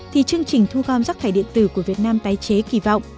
thì chương trình thu gom rác thải điện tử của việt nam tái chế kỳ vọng